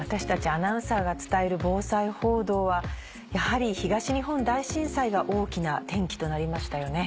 アナウンサーが伝える防災報道はやはり東日本大震災が大きな転機となりましたよね。